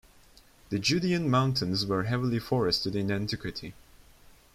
The Judaean Mountains were heavily forested in antiquity.